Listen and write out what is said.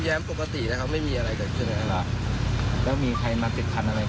เครื่องประดับ